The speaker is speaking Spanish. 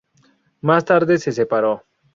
Más tarde se separó.